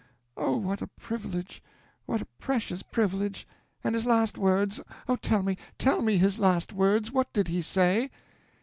"'Oh, what a privilege! what a precious privilege! And his last words oh, tell me, tell me his last words! What did he say?'